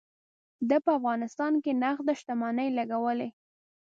ده په افغانستان کې نغده شتمني لګولې.